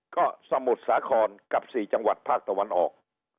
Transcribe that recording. ก็สมุทรสาครกับ๔จังหวัดภาคตะวันออก